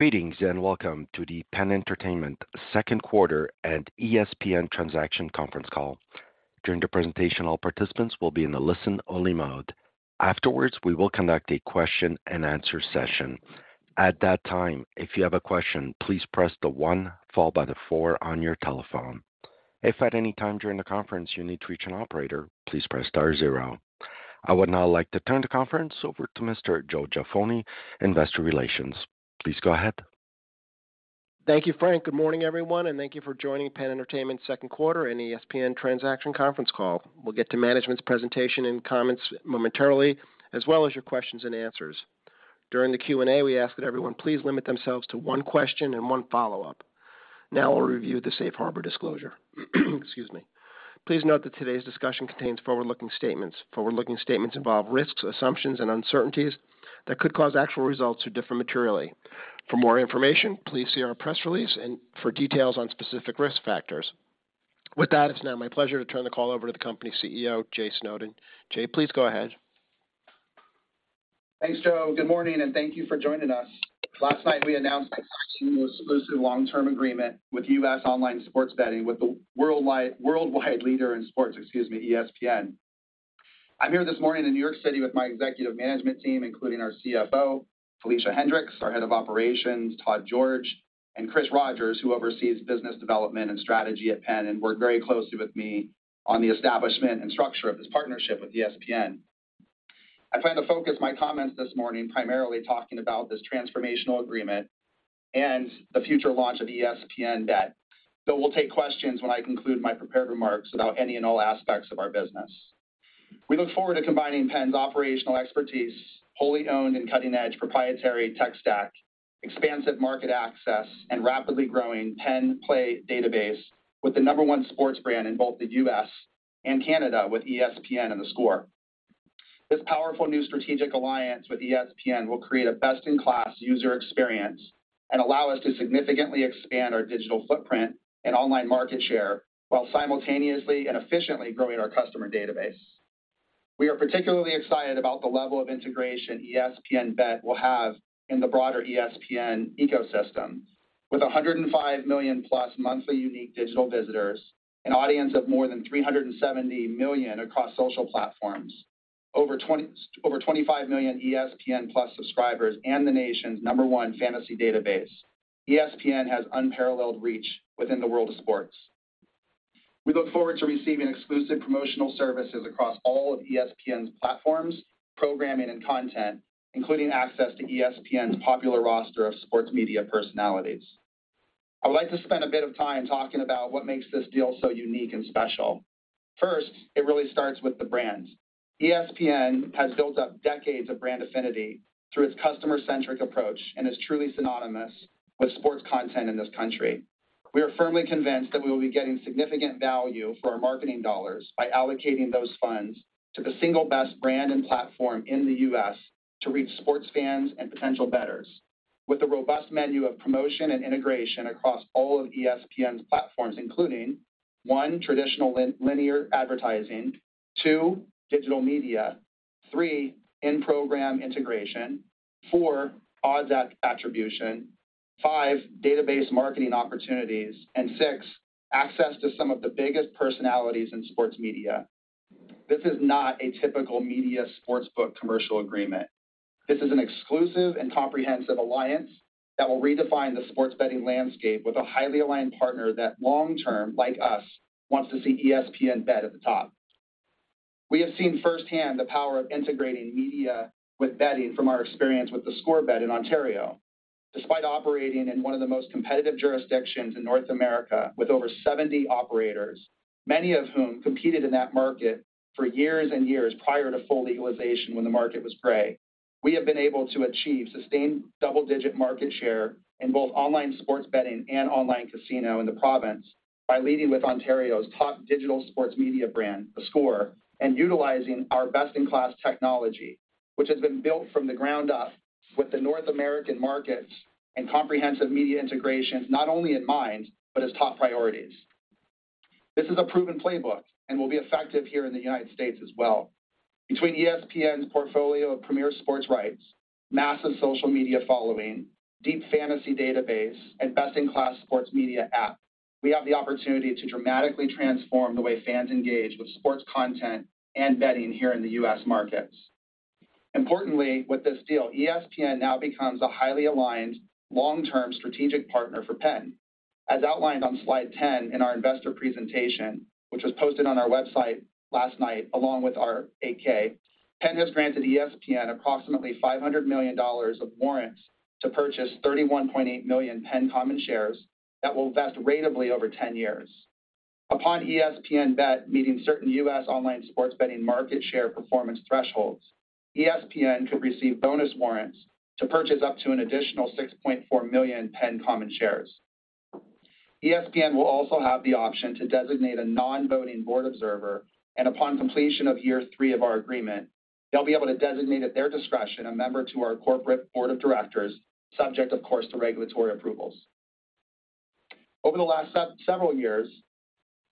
Greetings, and welcome to the PENN Entertainment Second Quarter and ESPN Transaction Conference Call. During the presentation, all participants will be in a listen-only mode. Afterwards, we will conduct a question-and-answer session. At that time, if you have a question, please press one followed by four on your telephone. If at any time during the conference you need to reach an operator, please press star zero. I would now like to turn the conference over to Mr. Joe Jaffoni, Investor Relations. Please go ahead. Thank you, Frank. Good morning, everyone, and thank you for joining PENN Entertainment second quarter and ESPN Transaction conference call. We'll get to management's presentation and comments momentarily, as well as your questions and answers. During the Q&A, we ask that everyone please limit themselves to one question and one follow-up. Now I'll review the safe harbor disclosure. Excuse me. Please note that today's discussion contains forward-looking statements. Forward-looking statements involve risks, assumptions, and uncertainties that could cause actual results to differ materially. For more information, please see our press release and for details on specific risk factors. With that, it's now my pleasure to turn the call over to the company's CEO, Jay Snowden. Jay, please go ahead. Thanks, Joe. Good morning, thank you for joining us. Last night, we announced that we signed the most exclusive long-term agreement with U.S. online sports betting with the worldwide leader in sports, excuse me, ESPN. I'm here this morning in New York City with my Executive Management team, including our CFO, Felicia Hendrix, our Head of Operations, Todd George, and Chris Rogers, who oversees Business Development and Strategy at PENN and worked very closely with me on the establishment and structure of this partnership with ESPN. I plan to focus my comments this morning primarily talking about this transformational agreement and the future launch of ESPN BET, but we'll take questions when I conclude my prepared remarks about any and all aspects of our business. We look forward to combining PENN's operational expertise, wholly owned and cutting-edge proprietary tech stack, expansive market access, and rapidly growing PENN Play database with the number one sports brand in both the U.S. and Canada with ESPN theScore. this powerful new strategic alliance with ESPN will create a best-in-class user experience and allow us to significantly expand our digital footprint and online market share, while simultaneously and efficiently growing our customer database. We are particularly excited about the level of integration ESPN BET will have in the broader ESPN ecosystem. With 105 million+ monthly unique digital visitors, an audience of more than 370 million across social platforms, over 25 million ESPN+ subscribers, and the nation's number one fantasy database, ESPN has unparalleled reach within the world of sports. We look forward to receiving exclusive promotional services across all of ESPN's platforms, programming, and content, including access to ESPN's popular roster of sports media personalities. I would like to spend a bit of time talking about what makes this deal so unique and special. First, it really starts with the brands. ESPN has built up decades of brand affinity through its customer-centric approach and is truly synonymous with sports content in this country. We are firmly convinced that we will be getting significant value for our marketing dollars by allocating those funds to the single best brand and platform in the U.S. to reach sports fans and potential bettors. With a robust menu of promotion and integration across all of ESPN's platforms, including, 1, traditional linear advertising, 2, digital media, 3, in-program integration, 4, odds at attribution, 5, database marketing opportunities, and 6, access to some of the biggest personalities in sports media. This is not a typical media sportsbook commercial agreement. This is an exclusive and comprehensive alliance that will redefine the sports betting landscape with a highly aligned partner that long term, like us, wants to see ESPN BET at the top. We have seen firsthand the power of integrating media with betting from our experience with theScore Bet in Ontario. Despite operating in one of the most competitive jurisdictions in North America with over 70 operators, many of whom competed in that market for years and years prior to full legalization when the market was gray, we have been able to achieve sustained double-digit market share in both online sports betting and online casino in the province by leading with Ontario's top digital sports media theScore, and utilizing our best-in-class technology, which has been built from the ground up with the North American markets and comprehensive media integrations, not only in mind, but as top priorities. This is a proven playbook and will be effective here in the United States as well. Between ESPN's portfolio of premier sports rights, massive social media following, deep fantasy database, and best-in-class sports media app, we have the opportunity to dramatically transform the way fans engage with sports content and betting here in the U.S. markets. Importantly, with this deal, ESPN now becomes a highly aligned, long-term strategic partner for PENN. As outlined on Slide 10 in our investor presentation, which was posted on our website last night along with our 8-K, PENN has granted ESPN approximately $500 million of warrants to purchase 31.8 million PENN common shares that will vest ratably over 10 years. Upon ESPN BET meeting certain U.S. online sports betting market share performance thresholds, ESPN could receive bonus warrants to purchase up to an additional 6.4 million PENN common shares. ESPN will also have the option to designate a non-voting board observer, and upon completion of year three of our agreement, they'll be able to designate at their discretion a member to our corporate board of directors, subject, of course, to regulatory approvals. Over the last several years,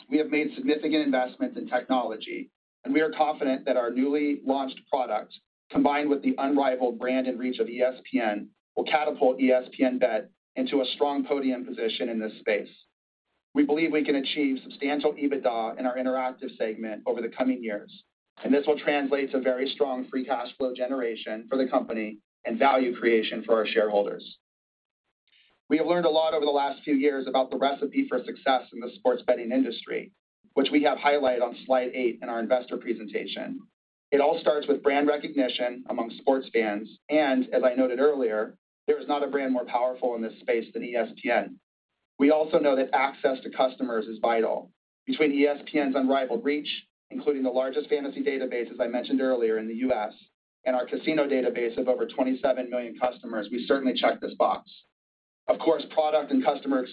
we have made significant investments in technology, and we are confident that our newly launched product, combined with the unrivaled brand and reach of ESPN, will catapult ESPN BET into a strong podium position in this space. We believe we can achieve substantial EBITDA in our Interactive segment over the coming years, and this will translate to very strong free cash flow generation for the company and value creation for our shareholders. We have learned a lot over the last few years about the recipe for success in the sports betting industry, which we have highlighted on Slide 8 in our investor presentation. It all starts with brand recognition among sports fans, and as I noted earlier, there is not a brand more powerful in this space than ESPN. We also know that access to customers is vital. Between ESPN's unrivaled reach, including the largest fantasy database, as I mentioned earlier, in the U.S. and our casino database of over 27 million customers, we certainly check this box. Of course, product and customer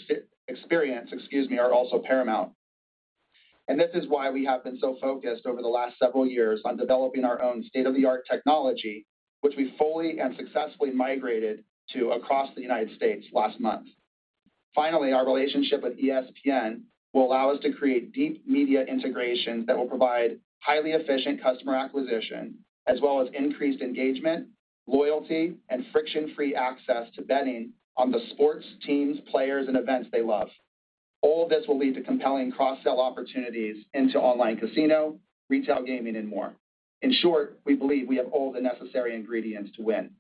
experience, excuse me, are also paramount, and this is why we have been so focused over the last several years on developing our own state-of-the-art technology, which we fully and successfully migrated to across the United States last month. Finally, our relationship with ESPN will allow us to create deep media integrations that will provide highly efficient customer acquisition, as well as increased engagement, loyalty, and friction-free access to betting on the sports, teams, players, and events they love. All of this will lead to compelling cross-sell opportunities into online casino, retail gaming, and more. In short, we believe we have all the necessary ingredients to win.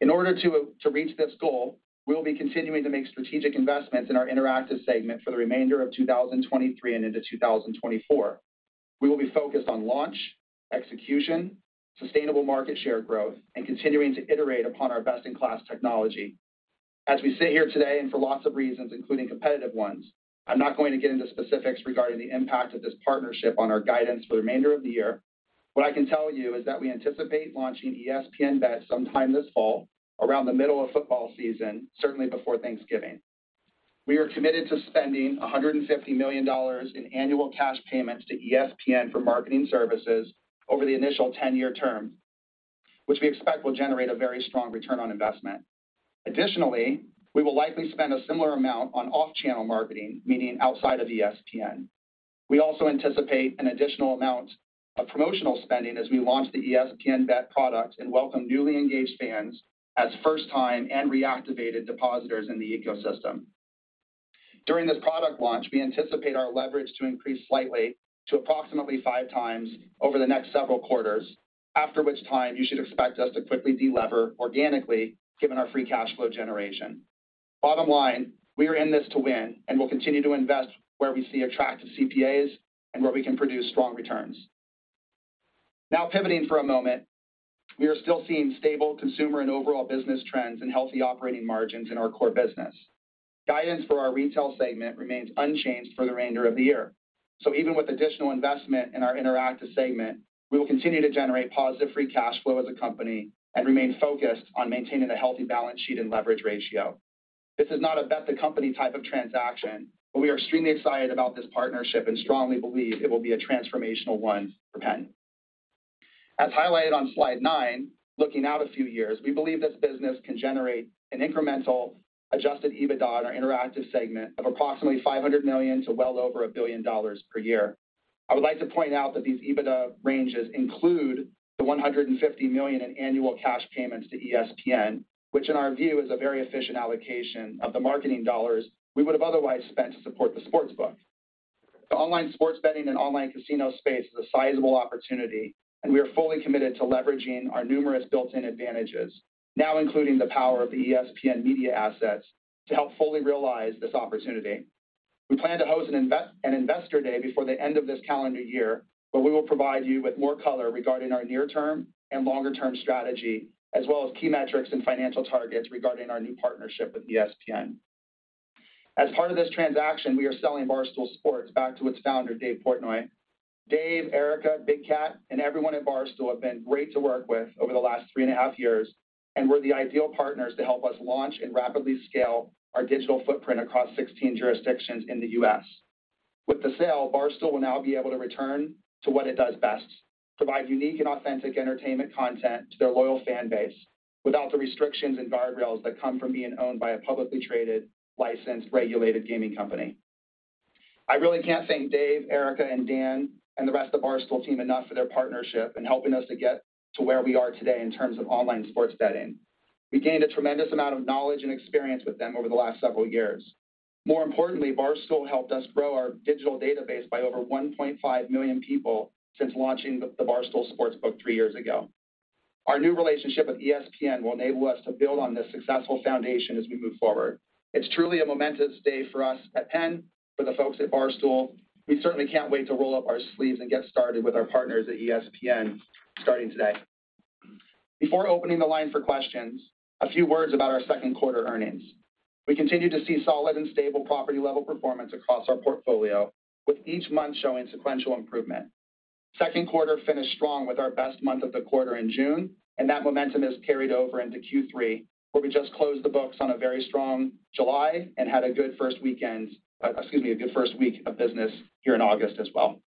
In order to reach this goal, we will be continuing to make strategic investments in our interactive segment for the remainder of 2023 and into 2024. We will be focused on launch, execution, sustainable market share growth, and continuing to iterate upon our best-in-class technology. As we sit here today, for lots of reasons, including competitive ones, I'm not going to get into specifics regarding the impact of this partnership on our guidance for the remainder of the year. What I can tell you is that we anticipate launching ESPN BET sometime this fall, around the middle of football season, certainly before Thanksgiving. We are committed to spending $150 million in annual cash payments to ESPN for marketing services over the initial 10-year term, which we expect will generate a very strong return on investment. Additionally, we will likely spend a similar amount on off-channel marketing, meaning outside of ESPN. We also anticipate an additional amount of promotional spending as we launch the ESPN BET product and welcome newly engaged fans as first-time and reactivated depositors in the ecosystem. During this product launch, we anticipate our leverage to increase slightly to approximately 5 times over the next several quarters, after which time you should expect us to quickly delever organically, given our free cash flow generation. Bottom line, we are in this to win, and we'll continue to invest where we see attractive CPAs and where we can produce strong returns. Now, pivoting for a moment, we are still seeing stable consumer and overall business trends and healthy operating margins in our core business. Guidance for our Retail segment remains unchanged for the remainder of the year. Even with additional investment in our Interactive segment, we will continue to generate positive free cash flow as a company and remain focused on maintaining a healthy balance sheet and leverage ratio. This is not a bet the company type of transaction, but we are extremely excited about this partnership and strongly believe it will be a transformational one for PENN. As highlighted on Slide 9, looking out a few years, we believe this business can generate an incremental Adjusted EBITDA in our Interactive segment of approximately $500 million to well over $1 billion per year. I would like to point out that these EBITDA ranges include the $150 million in annual cash payments to ESPN, which in our view, is a very efficient allocation of the marketing dollars we would have otherwise spent to support the sportsbook. The online sports betting and online casino space is a sizable opportunity, and we are fully committed to leveraging our numerous built-in advantages, now including the power of the ESPN media assets, to help fully realize this opportunity. We plan to host an Investor Day before the end of this calendar year, where we will provide you with more color regarding our near-term and longer-term strategy, as well as key metrics and financial targets regarding our new partnership with ESPN. As part of this transaction, we are selling Barstool Sports back to its Founder, Dave Portnoy. Dave, Erica, Big Cat, and everyone at Barstool have been great to work with over the last 3.5 years and were the ideal partners to help us launch and rapidly scale our digital footprint across 16 jurisdictions in the U.S. With the sale, Barstool will now be able to return to what it does best: provide unique and authentic entertainment content to their loyal fan base without the restrictions and guardrails that come from being owned by a publicly traded, licensed, regulated gaming company. I really can't thank Dave, Erica, and Dan, and the rest of the Barstool team enough for their partnership in helping us to get to where we are today in terms of online sports betting. We gained a tremendous amount of knowledge and experience with them over the last several years. More importantly, Barstool helped us grow our digital database by over 1.5 million people since launching the Barstool Sportsbook three years ago. Our new relationship with ESPN will enable us to build on this successful foundation as we move forward. It's truly a momentous day for us at PENN, for the folks at Barstool. We certainly can't wait to roll up our sleeves and get started with our partners at ESPN, starting today. Before opening the line for questions, a few words about our second quarter earnings. We continue to see solid and stable property-level performance across our portfolio, with each month showing sequential improvement. Second quarter finished strong with our best month of the quarter in June, and that momentum is carried over into Q3, where we just closed the books on a very strong July and had a good first weekend, excuse me, a good first week of business here in August as well.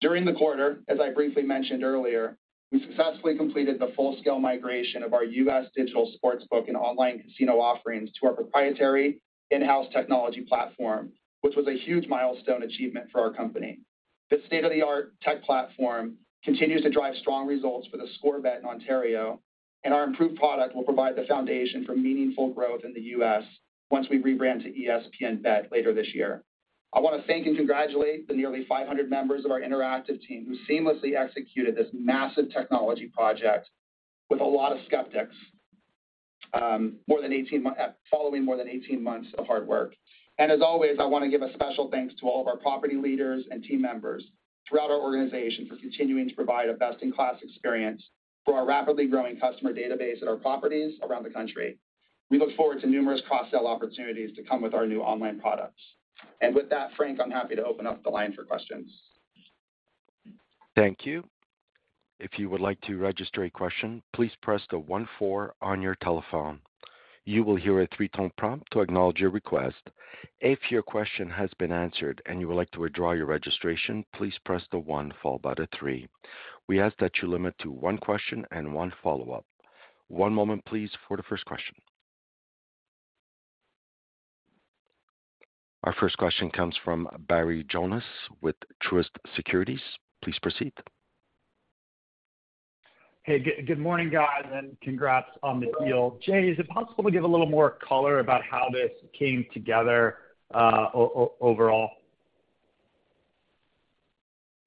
During the quarter, as I briefly mentioned earlier, we successfully completed the full-scale migration of our U.S. digital sportsbook and online casino offerings to our proprietary in-house technology platform, which was a huge milestone achievement for our company. This state-of-the-art tech platform continues to drive strong results for theScore Bet in Ontario, and our improved product will provide the foundation for meaningful growth in the U.S. once we rebrand to ESPN BET later this year. I want to thank and congratulate the nearly 500 members of our Interactive team, who seamlessly executed this massive technology project with a lot of skeptics, following more than 18 months of hard work. As always, I want to give a special thanks to all of our property leaders and team members throughout our organization for continuing to provide a best-in-class experience for our rapidly growing customer database at our properties around the country. We look forward to numerous cross-sell opportunities to come with our new online products. With that, Frank, I'm happy to open up the line for questions. Thank you. If you would like to register a question, please press the one four on your telephone. You will hear a three-tone prompt to acknowledge your request. If your question has been answered and you would like to withdraw your registration, please press the one followed by the three. We ask that you limit to one question and one follow-up. One moment, please, for the first question. Our first question comes from Barry Jonas with Truist Securities. Please proceed. Hey, good, good morning, guys, and congrats on the deal. Jay, is it possible to give a little more color about how this came together, overall?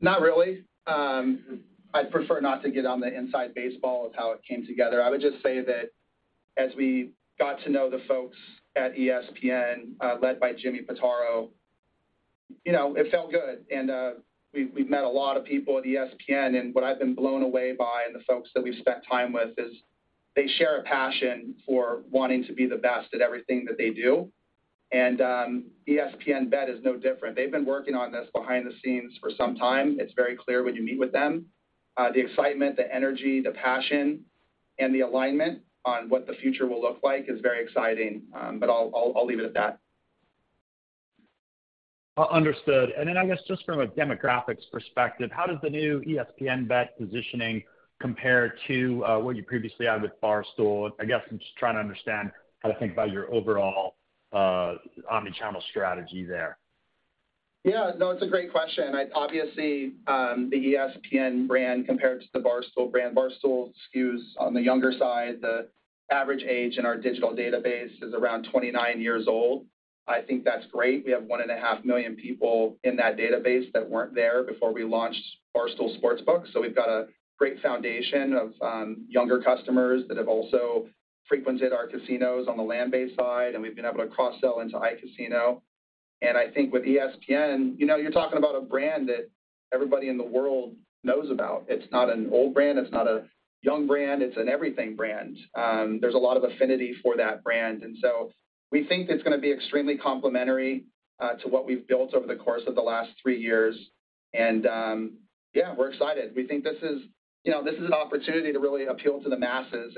Not really. I'd prefer not to get on the inside baseball of how it came together. I would just say that as we got to know the folks at ESPN, led by James Pitaro, you know, it felt good. We've, we've met a lot of people at ESPN, and what I've been blown away by and the folks that we've spent time with is they share a passion for wanting to be the best at everything that they do. ESPN BET is no different. They've been working on this behind the scenes for some time. It's very clear when you meet with them, the excitement, the energy, the passion, and the alignment on what the future will look like is very exciting. I'll, I'll, I'll leave it at that. understood. I guess, just from a demographics perspective, how does the new ESPN BET positioning compare to what you previously had with Barstool? I guess I'm just trying to understand how to think about your overall omnichannel strategy there. Yeah, no, it's a great question. obviously, the ESPN brand compared to the Barstool brand. Barstool skews on the younger side. The average age in our digital database is around 29 years old. I think that's great. We have 1.5 million people in that database that weren't there before we launched Barstool Sportsbook. We've got a great foundation of younger customers that have also frequented our casinos on the land-based side, and we've been able to cross-sell into affinity. I think with ESPN, you know, you're talking about a brand that everybody in the world knows about. It's not an old brand, it's not a young brand, it's an everything brand. There's a lot of affinity for that brand. We think it's gonna be extremely complementary to what we've built over the course of the last 3 years. Yeah, we're excited. We think this is-- you know, this is an opportunity to really appeal to the masses.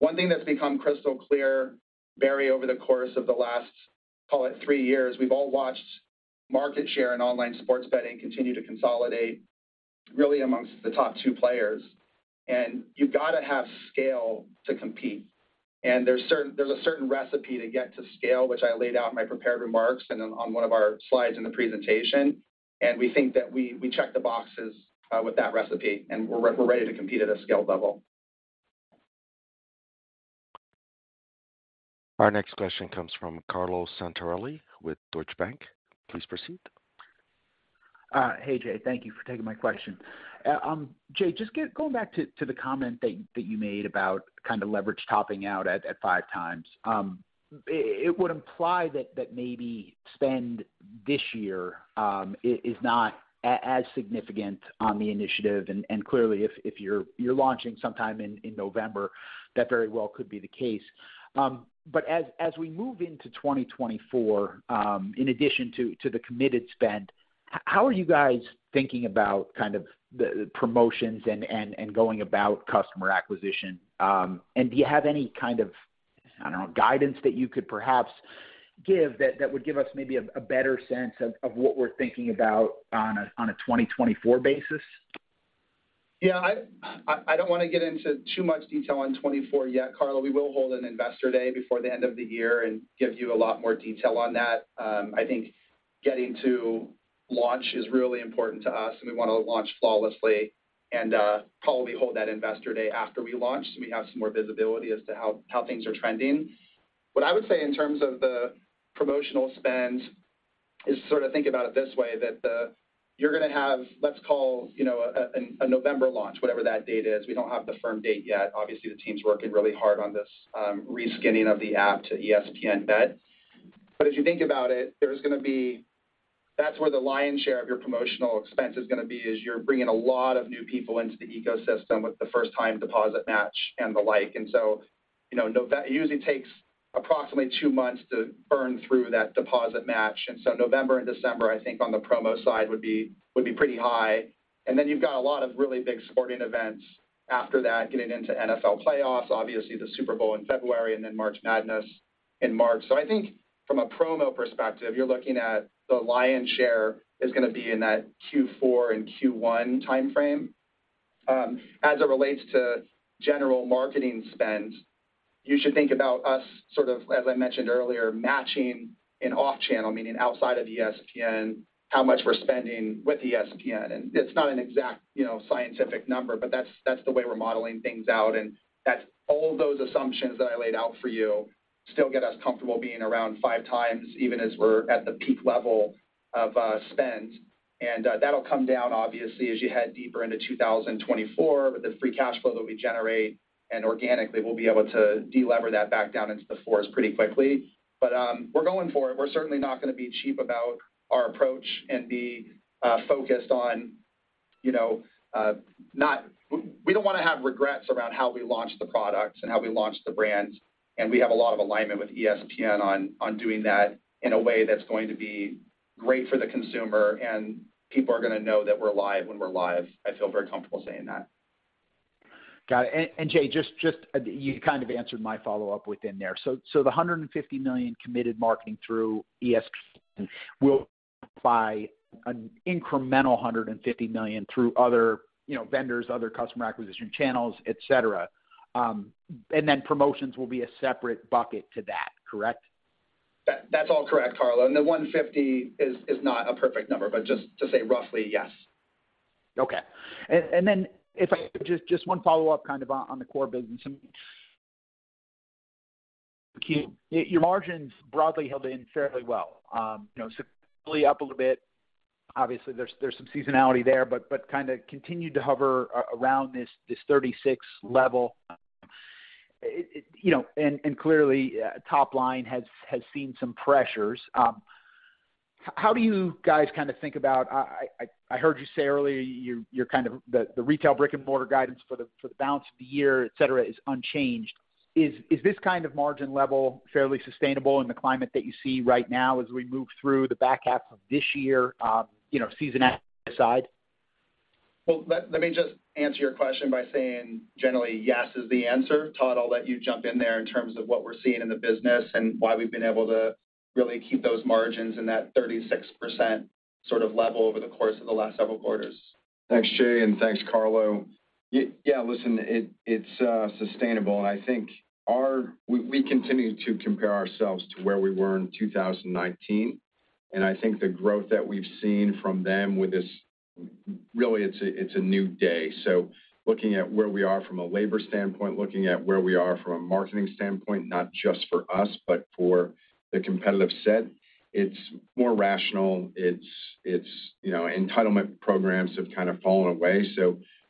One thing that's become crystal clear, Barry, over the course of the last, call it 3 years, we've all watched market share in online sports betting continue to consolidate, really amongst the top 2 players, and you've got to have scale to compete. There's certain-- there's a certain recipe to get to scale, which I laid out in my prepared remarks and then on 1 of our slides in the presentation. We think that we, we check the boxes with that recipe, and we're, we're ready to compete at a scale level. Our next question comes from Carlo Santarelli with Deutsche Bank. Please proceed. Hey, Jay, thank you for taking my question. Jay, just going back to, to the comment that, that you made about kind of leverage topping out at, at five times. It, it would imply that, that maybe spend this year, is, is not as significant on the initiative. Clearly, if, if you're, you're launching sometime in, in November, that very well could be the case. As, as we move into 2024, in addition to, to the committed spend, how are you guys thinking about kind of the, the promotions and, and, and going about customer acquisition? Do you have any kind of, I don't know, guidance that you could perhaps give that, that would give us maybe a, a better sense of, of what we're thinking about on a, on a 2024 basis? Yeah, I, I, I don't want to get into too much detail on 2024 yet, Carlo. We will hold an Investor Day before the end of the year and give you a lot more detail on that. I think getting to launch is really important to us, and we want to launch flawlessly and probably hold that Investor Day after we launch, so we have some more visibility as to how, how things are trending. What I would say in terms of the promotional spend is sort of think about it this way, that you're gonna have, let's call, you know, a, an, a November launch, whatever that date is. We don't have the firm date yet. Obviously, the team's working really hard on this reskinning of the app to ESPN BET. As you think about it, there's gonna be... That's where the lion's share of your promotional expense is gonna be, is you're bringing a lot of new people into the ecosystem with the first-time deposit match and the like. So, you know, Nove-- it usually takes approximately two months to burn through that deposit match. So November and December, I think, on the promo side, would be, would be pretty high. Then you've got a lot of really big sporting events after that, getting into NFL playoffs, obviously the Super Bowl in February, and then March Madness in March. I think from a promo perspective, you're looking at the lion's share is gonna be in that Q4 and Q1 timeframe. As it relates to general marketing spend, you should think about us, sort of, as I mentioned earlier, matching in off-channel, meaning outside of ESPN, how much we're spending with ESPN. It's not an exact, you know, scientific number, but that's, that's the way we're modeling things out, and that's all those assumptions that I laid out for you still get us comfortable being around 5x, even as we're at the peak level of spend. That'll come down, obviously, as you head deeper into 2024, with the free cash flow that we generate, and organically, we'll be able to delever that back down into the 4s pretty quickly. We're going for it. We're certainly not gonna be cheap about our approach and be focused on, you know, We don't wanna have regrets around how we launch the products and how we launch the brand. We have a lot of alignment with ESPN on doing that in a way that's going to be great for the consumer. People are gonna know that we're live when we're live. I feel very comfortable saying that. Got it. Jay, just, just, you kind of answered my follow-up within there. The $150 million committed marketing through ESPN will buy an incremental $150 million through other, you know, vendors, other customer acquisition channels, et cetera. And then promotions will be a separate bucket to that, correct? That, that's all correct, Carlo, and the $150 million is, is not a perfect number, but just to say roughly, yes. Okay. Then if I, just, just one follow-up, kind of, on, on the core business. Your, your margins broadly held in fairly well. You know, significantly up a little bit. Obviously, there's, there's some seasonality there, but, but kind of continued to hover around this, this 36 level. It, it, you know, and, and clearly, top line has, has seen some pressures. How do you guys kind of think about... I, I, I heard you say earlier, you're, you're kind of, the, the retail brick-and-mortar guidance for the, for the balance of the year, et cetera, is unchanged. Is, is this kind of margin level fairly sustainable in the climate that you see right now as we move through the back half of this year, you know, seasonality aside? Well, let me just answer your question by saying, generally, yes, is the answer. Todd, I'll let you jump in there in terms of what we're seeing in the business and why we've been able to really keep those margins in that 36% sort of level over the course of the last several quarters. Thanks, Jay, thanks, Carlo. listen, it's sustainable, and I think our. We continue to compare ourselves to where we were in 2019. I think the growth that we've seen from them with this, really, it's a new day. Looking at where we are from a labor standpoint, looking at where we are from a marketing standpoint, not just for us, but for the competitive set, it's more rational. It's, you know, entitlement programs have kind of fallen away.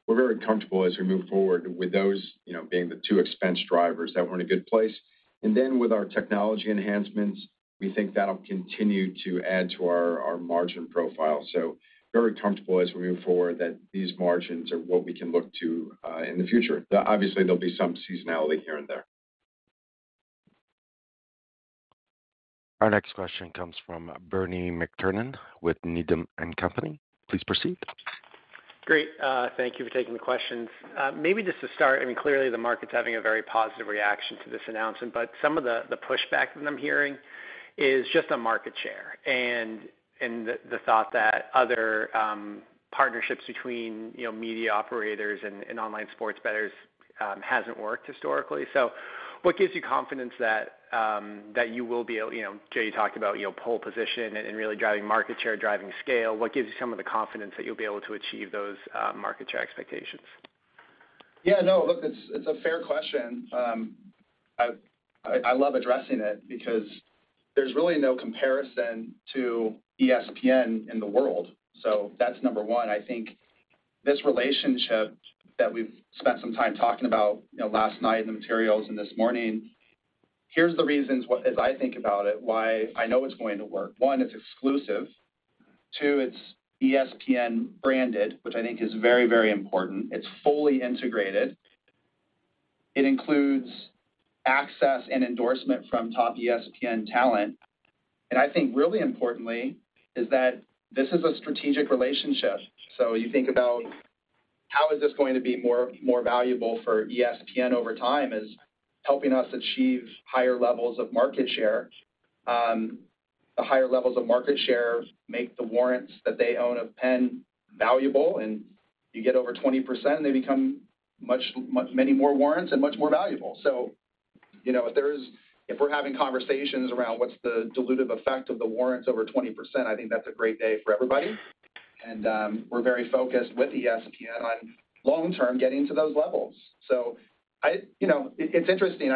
We're very comfortable as we move forward with those, you know, being the two expense drivers that we're in a good place. With our technology enhancements, we think that'll continue to add to our margin profile. Very comfortable as we move forward, that these margins are what we can look to in the future. Obviously, there'll be some seasonality here and there. Our next question comes from Bernie McTernan with Needham and Company. Please proceed. Great, thank you for taking the questions. Maybe just to start, I mean, clearly, the market's having a very positive reaction to this announcement, but some of the, the pushback that I'm hearing is just on market share and the thought that other partnerships between, you know, media operators and online sports bettors hasn't worked historically. What gives you confidence that you will be able, you know, Jay, you talked about your pole position and really driving market share, driving scale. What gives you some of the confidence that you'll be able to achieve those market share expectations? Yeah, no, look, it's, it's a fair question. I, I, I love addressing it because there's really no comparison to ESPN in the world. That's number one. I think this relationship that we've spent some time talking about, you know, last night in the materials and this morning, here's the reasons, what, as I think about it, why I know it's going to work. One, it's exclusive. Two, it's ESPN branded, which I think is very, very important. It's fully integrated. It includes access and endorsement from top ESPN talent, and I think really importantly, is that this is a strategic relationship. You think about how is this going to be more, more valuable for ESPN over time, is helping us achieve higher levels of market share. The higher levels of market share make the warrants that they own of PENN valuable, and you get over 20%, they become much, much, many more warrants and much more valuable. You know, if we're having conversations around what's the dilutive effect of the warrants over 20%, I think that's a great day for everybody. We're very focused with ESPN on long term getting to those levels. You know, it's interesting,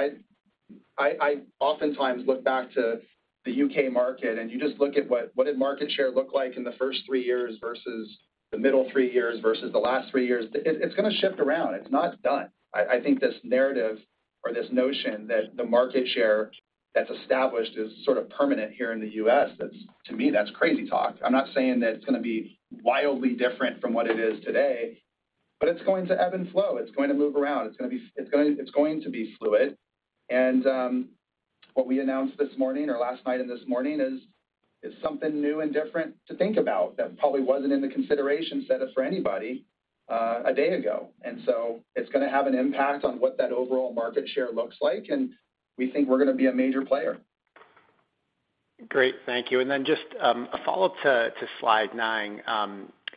I oftentimes look back to the U.K. market, and you just look at what, what did market share look like in the first 3 years versus the middle 3 years versus the last 3 years? It's gonna shift around. It's not done. I think this narrative or this notion that the market share that's established is sort of permanent here in the U.S., that's, to me, that's crazy talk. I'm not saying that it's gonna be wildly different from what it is today, but it's going to ebb and flow. It's going to move around. It's going to be fluid. What we announced this morning or last night and this morning is. It's something new and different to think about that probably wasn't in the consideration set up for anybody a day ago. It's gonna have an impact on what that overall market share looks like, and we think we're gonna be a major player. Great, thank you. Just a follow-up to Slide 9,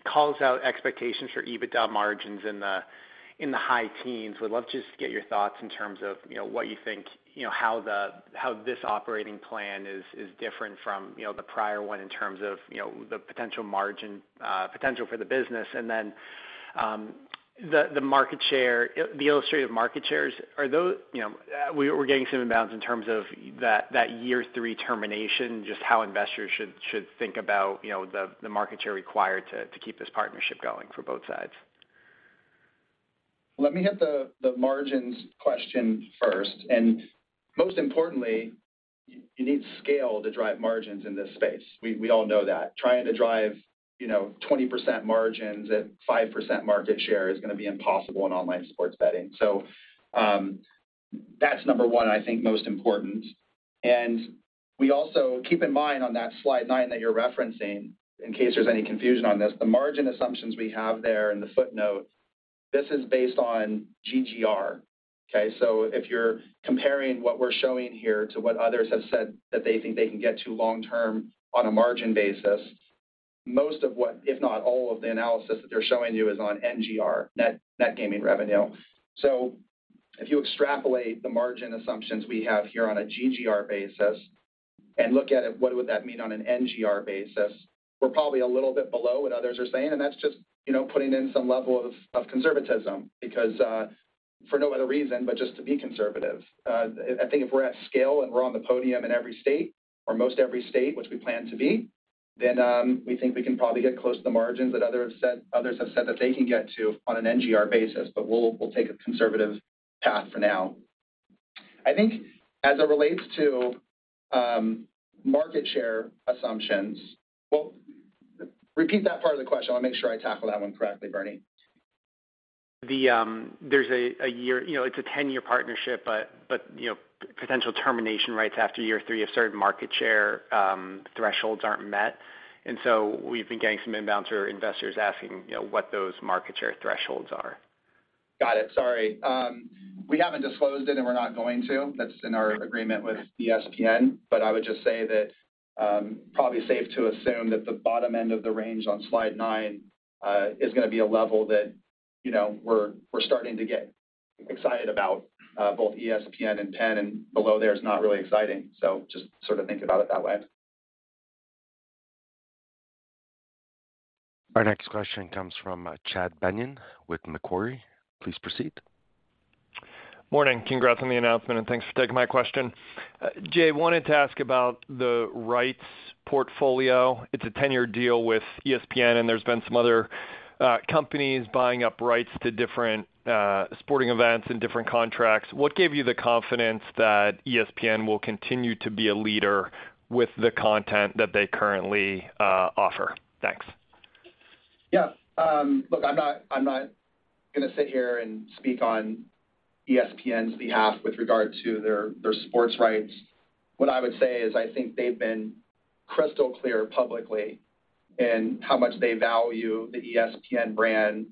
calls out expectations for EBITDA margins in the high teens. Would love just to get your thoughts in terms of what you think how this operating plan is different from the prior one in terms of the potential margin potential for the business. The market share, the illustrative market shares, are those? We're getting some inbounds in terms of that year 3 termination, just how investors should think about the market share required to keep this partnership going for both sides. Let me hit the, the margins question first, and most importantly, you need scale to drive margins in this space. We, we all know that. Trying to drive, you know, 20% margins at 5% market share is gonna be impossible in online sports betting. That's number one, I think most important. Keep in mind on that Slide 9 that you're referencing, in case there's any confusion on this, the margin assumptions we have there in the footnote, this is based on GGR, okay? If you're comparing what we're showing here to what others have said that they think they can get to long term on a margin basis, most of what, if not all of the analysis that they're showing you, is on NGR, Net Gaming Revenue. If you extrapolate the margin assumptions we have here on a GGR basis and look at it, what would that mean on an NGR basis? We're probably a little bit below what others are saying, and that's just, you know, putting in some level of conservatism because for no other reason, but just to be conservative. I think if we're at scale and we're on the podium in every state or most every state, which we plan to be, then we think we can probably get close to the margins that others have said, others have said that they can get to on an NGR basis, but we'll take a conservative path for now. I think as it relates to market share assumptions. Well, repeat that part of the question. I want to make sure I tackle that one correctly, Bernie. There's a, you know, it's a ten-year partnership, but, but, you know, potential termination rights after year three if certain market share thresholds aren't met. So we've been getting some inbounds or investors asking, you know, what those market share thresholds are. Got it. Sorry. We haven't disclosed it, and we're not going to. That's in our agreement with ESPN, but I would just say that, probably safe to assume that the bottom end of the range on Slide 9, is gonna be a level that, you know, we're, we're starting to get excited about, both ESPN and PENN, and below there is not really exciting. Just sort of think about it that way. Our next question comes from Chad Beynon with Macquarie. Please proceed. Morning. Congrats on the announcement, and thanks for taking my question. Jay, wanted to ask about the rights portfolio. It's a 10-year deal with ESPN, and there's been some other companies buying up rights to different sporting events and different contracts. What gave you the confidence that ESPN will continue to be a leader with the content that they currently offer? Thanks. Yeah, look, I'm not, I'm not gonna sit here and speak on ESPN's behalf with regard to their, their sports rights. What I would say is, I think they've been crystal clear publicly in how much they value the ESPN brand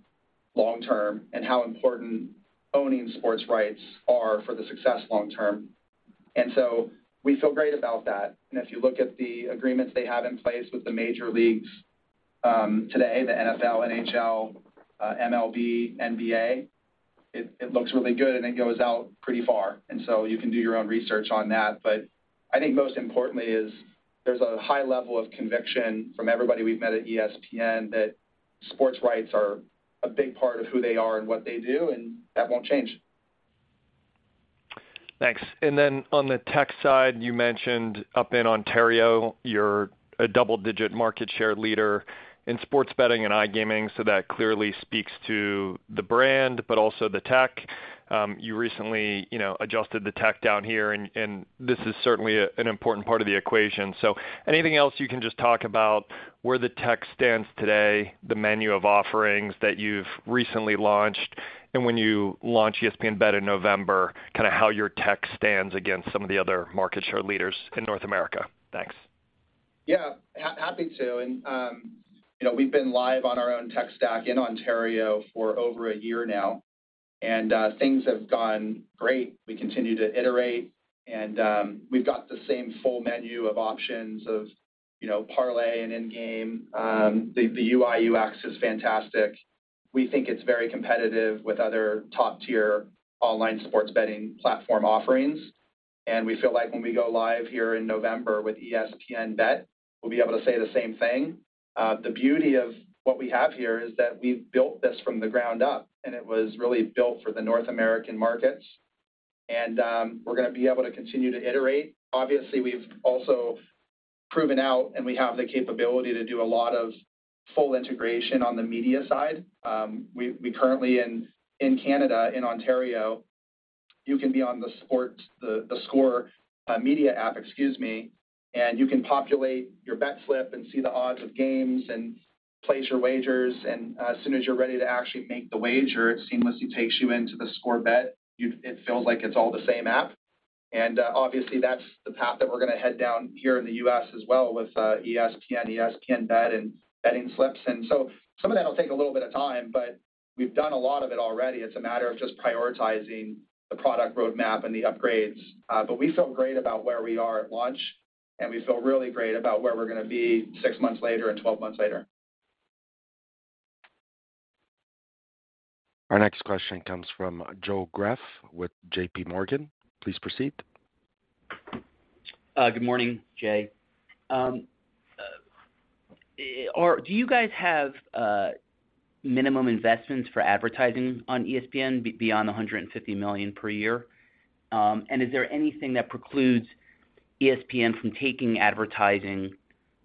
long term and how important owning sports rights are for the success long term. We feel great about that. If you look at the agreements they have in place with the major leagues today, the NFL, NHL, MLB, NBA, it, it looks really good, and it goes out pretty far, and so you can do your own research on that. I think most importantly is there's a high level of conviction from everybody we've met at ESPN that sports rights are a big part of who they are and what they do, and that won't change. Thanks. Then on the tech side, you mentioned up in Ontario, you're a double-digit market share leader in sports betting and iGaming, so that clearly speaks to the brand, but also the tech. You recently, you know, adjusted the tech down here, and this is certainly a, an important part of the equation. Anything else you can just talk about where the tech stands today, the menu of offerings that you've recently launched, and when you launch ESPN BET in November, kinda how your tech stands against some of the other market share leaders in North America? Thanks. Yeah, happy to. You know, we've been live on our own tech stack in Ontario for over a year now, things have gone great. We continue to iterate, and we've got the same full menu of options of, you know, parlay and in-game. The UI, UX is fantastic. We think it's very competitive with other top-tier online sports betting platform offerings, and we feel like when we go live here in November with ESPN BET, we'll be able to say the same thing. The beauty of what we have here is that we've built this from the ground up, and it was really built for the North American markets. We're gonna be able to continue to iterate. Obviously, we've also proven out, and we have the capability to do a lot of full integration on the media side. We currently in Canada, in Ontario, you can be on theScore media app, excuse me, and you can populate your bet slip and see the odds of games and place your wagers. As soon as you're ready to actually make the wager, it seamlessly takes you into theScore Bet. It feels like it's all the same app. Obviously, that's the path that we're gonna head down here in the U.S. as well, with ESPN, ESPN BET, and betting slips. So some of that'll take a little bit of time, but we've done a lot of it already. It's a matter of just prioritizing the product roadmap and the upgrades. We feel great about where we are at launch, and we feel really great about where we're gonna be 6 months later and 12 months later. Our next question comes from Joe Greff with J.P. Morgan. Please proceed. Good morning, Jay. Do you guys have minimum investments for advertising on ESPN beyond $150 million per year? Is there anything that precludes ESPN from taking advertising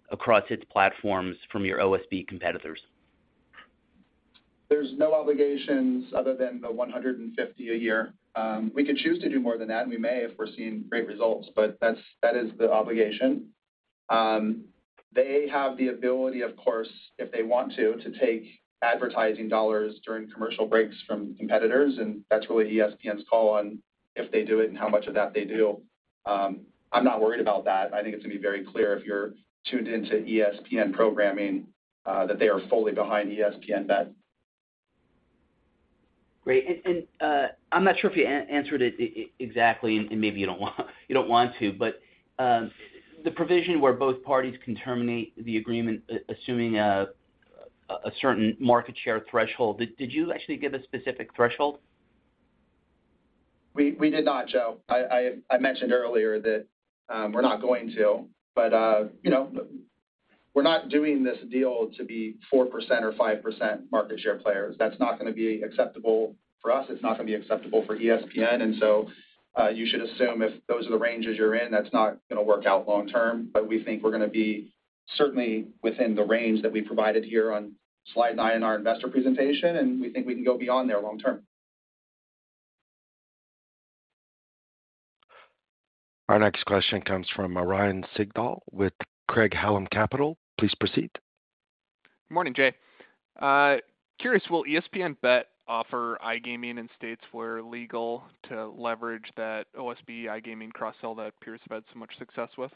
across its platforms from your OSB competitors? There's no obligations other than the $150 million a year. We could choose to do more than that, and we may if we're seeing great results, but that's, that is the obligation. They have the ability, of course, if they want to, to take advertising dollars during commercial breaks from competitors, and that's really ESPN's call on if they do it and how much of that they do. I'm not worried about that. I think it's gonna be very clear if you're tuned into ESPN programming, that they are fully behind ESPN BET. Great. I'm not sure if you answered it exactly, and maybe you don't want, you don't want to, but the provision where both parties can terminate the agreement, assuming a certain market share threshold, did you actually give a specific threshold? We, we did not, Joe. I, I, I mentioned earlier that, we're not going to, you know, we're not doing this deal to be 4% or 5% market share players. That's not gonna be acceptable for us. It's not gonna be acceptable for ESPN. So, you should assume if those are the ranges you're in, that's not gonna work out long term. We think we're gonna be certainly within the range that we provided here on Slide 9 in our investor presentation, and we think we can go beyond there long term. Our next question comes from Ryan Sigdahl with Craig-Hallum Capital. Please proceed. Good morning, Jay. Curious, will ESPN BET offer iGaming in states where legal to leverage that OSB iGaming cross-sell that PENN had so much success with?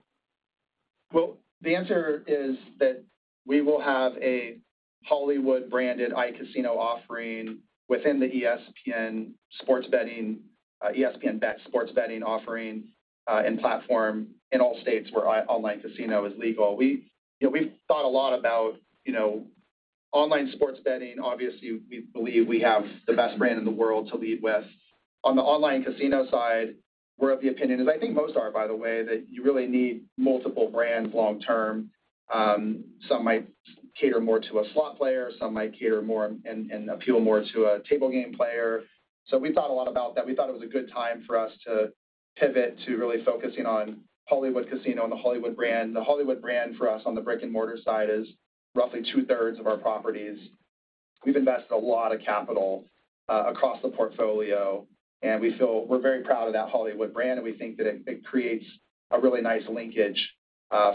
Well, the answer is that we will have a Hollywood-branded affinity offering within the ESPN sports betting, ESPN BET sports betting offering and platform in all states where online casino is legal. We, you know, we've thought a lot about, you know, online sports betting. Obviously, we believe we have the best brand in the world to lead with. On the online casino side, we're of the opinion, as I think most are, by the way, that you really need multiple brands long term. Some might cater more to a slot player, some might cater more and appeal more to a table game player. We thought a lot about that. We thought it was a good time for us to pivot to really focusing on Hollywood Casino and the Hollywood brand. The Hollywood brand for us on the brick-and-mortar side is roughly two-thirds of our properties. We've invested a lot of capital across the portfolio, and we feel... We're very proud of that Hollywood brand, and we think that it, it creates a really nice linkage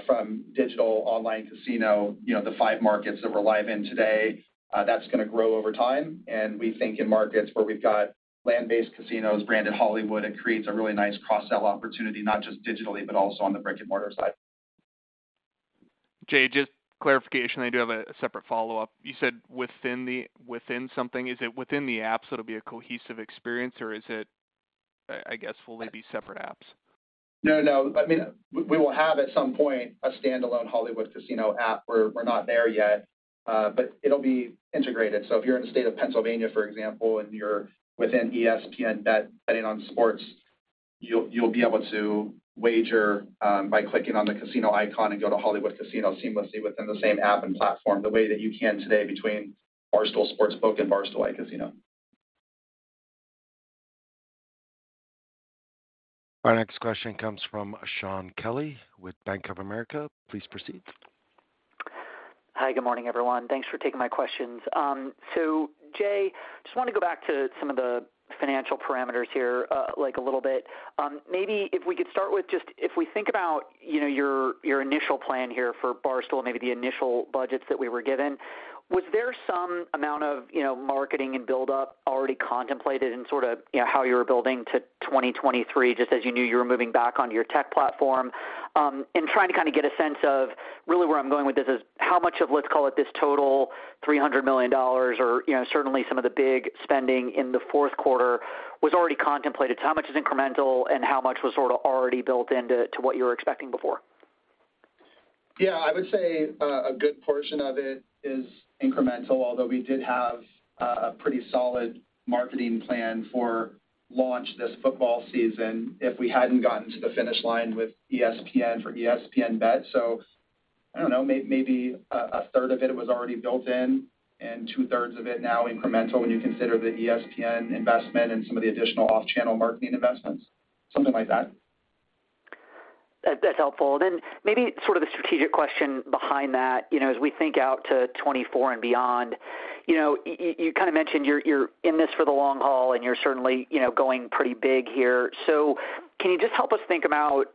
from digital online casino, you know, the five markets that we're live in today. That's gonna grow over time, and we think in markets where we've got land-based casinos branded Hollywood, it creates a really nice cross-sell opportunity, not just digitally, but also on the brick-and-mortar side. Jay, just clarification, I do have a separate follow-up. You said within something. Is it within the app, so it'll be a cohesive experience, or is it, I guess, will they be separate apps? No, no. I mean, we, we will have, at some point, a standalone Hollywood Casino app. We're, we're not there yet, but it'll be integrated. If you're in the state of Pennsylvania, for example, and you're within ESPN BET, betting on sports, you'll, you'll be able to wager by clicking on the casino icon and go to Hollywood Casino seamlessly within the same app and platform, the way that you can today between Barstool Sportsbook and Barstool affinity. Our next question comes from Shaun Kelley with Bank of America. Please proceed. Hi, good morning, everyone. Thanks for taking my questions. Jay, just wanna go back to some of the financial parameters here, like, a little bit. Maybe if we could start with just if we think about, you know, your, your initial plan here for Barstool and maybe the initial budgets that we were given, was there some amount of, you know, marketing and buildup already contemplated in sort of, you know, how you were building to 2023, just as you knew you were moving back onto your tech platform? Trying to kind of get a sense of, really where I'm going with this is, how much of, let's call it, this total $300 million or, you know, certainly some of the big spending in the fourth quarter was already contemplated. How much is incremental, and how much was sort of already built into to what you were expecting before? Yeah, I would say, a good portion of it is incremental, although we did have a pretty solid marketing plan for launch this football season if we hadn't gotten to the finish line with ESPN for ESPN BET. I don't know, maybe a third of it was already built in and two-thirds of it now incremental, when you consider the ESPN investment and some of the additional off-channel marketing investments, something like that.... That, that's helpful. Then maybe sort of the strategic question behind that, you know, as we think out to 2024 and beyond, you know, you kind of mentioned you're, you're in this for the long haul, and you're certainly, you know, going pretty big here. Can you just help us think about,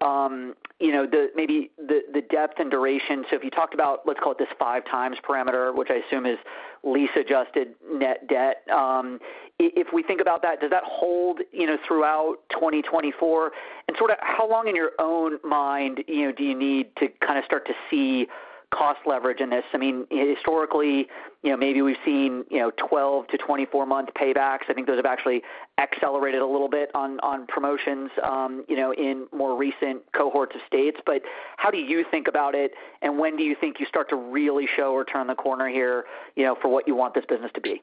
you know, the, maybe the, the depth and duration? If you talked about, let's call it, this 5x parameter, which I assume is lease-adjusted net debt, if we think about that, does that hold, you know, throughout 2024? Sort of how long in your own mind, you know, do you need to kind of start to see cost leverage in this? Historically, you know, maybe we've seen, you know, 12-24-month paybacks. I think those have actually accelerated a little bit on, on promotions, you know, in more recent cohorts of states. How do you think about it, and when do you think you start to really show or turn the corner here, you know, for what you want this business to be?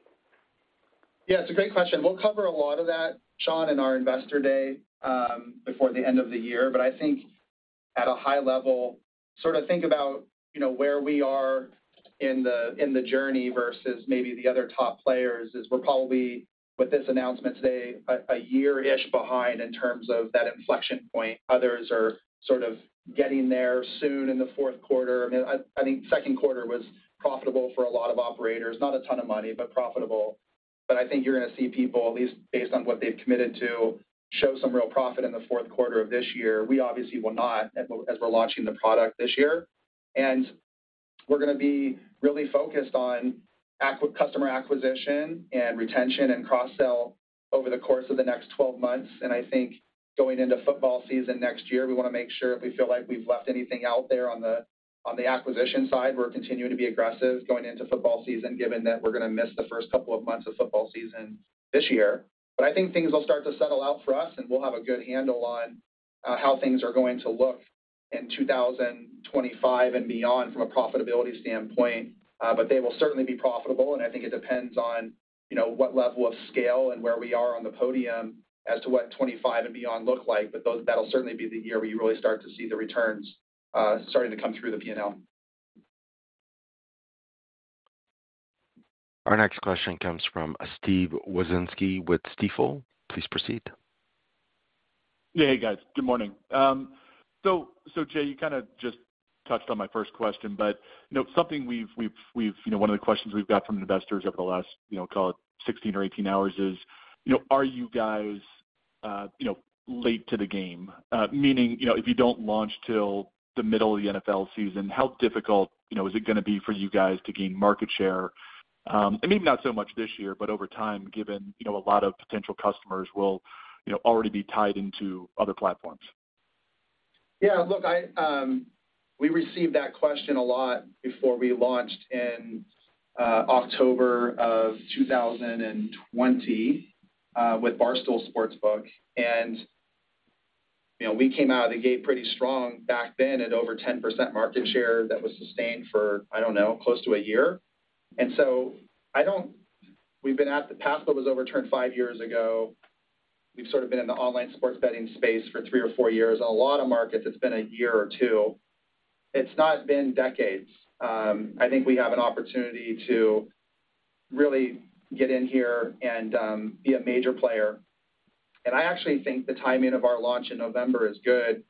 Yeah, it's a great question. We'll cover a lot of that, Shaun, in our Investor Day before the end of the year. I think at a high level, sort of think about, you know, where we are in the, in the journey versus maybe the other top players, is we're probably, with this announcement today, a year-ish behind in terms of that inflection point. Others are sort of getting there soon in the fourth quarter. I mean, I, I think second quarter was profitable for a lot of operators. Not a ton of money, but profitable. I think you're gonna see people, at least based on what they've committed to, show some real profit in the fourth quarter of this year. We obviously will not, as we're, as we're launching the product this year. We're going to be really focused on customer acquisition and retention and cross-sell over the course of the next 12 months. I think going into football season next year, we wanna make sure if we feel like we've left anything out there on the, on the acquisition side, we're continuing to be aggressive going into football season, given that we're gonna miss the first couple of months of football season this year. I think things will start to settle out for us, and we'll have a good handle on how things are going to look in 2025 and beyond from a profitability standpoint. But they will certainly be profitable, and I think it depends on, you know, what level of scale and where we are on the podium as to what 25 and beyond look like. That'll certainly be the year where you really start to see the returns, starting to come through the P&L. Our next question comes from Steve Wieczynski with Stifel. Please proceed. Yeah. Hey, guys. Good morning. So, Jay, you kind of just touched on my first question, but, you know, something we've-- You know, one of the questions we've got from investors over the last, you know, call it 16 or 18 hours is, you know, are you guys, you know, late to the game? Meaning, you know, if you don't launch till the middle of the NFL season, how difficult, you know, is it gonna be for you guys to gain market share? Maybe not so much this year, but over time, given, you know, a lot of potential customers will, you know, already be tied into other platforms. Yeah, look, I. We received that question a lot before we launched in October 2020 with Barstool Sportsbook. You know, we came out of the gate pretty strong back then at over 10% market share. That was sustained for, I don't know, close to 1 year. I don't. PASPA was overturned 5 years ago. We've sort of been in the online sports betting space for 3 or 4 years. In a lot of markets, it's been 1 or 2 years. It's not been decades. I think we have an opportunity to really get in here and be a major player. I actually think the timing of our launch in November is good